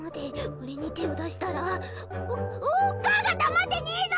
俺に手を出したらおおっ母が黙ってねぇぞ！